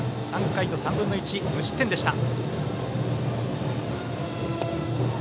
３回と３分の１を無失点でした。